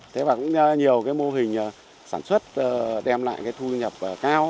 thế và cũng nhiều cái mô hình sản xuất đem lại cái thu nhập cao